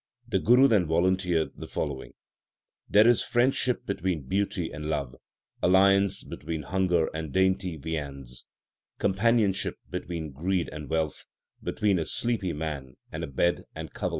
The Guru then volunteered the following : There is friendship between beauty and love, alliance between hunger and dainty viands ; Companionship between greed and wealth, between a sleepy man and a bed and coverlet.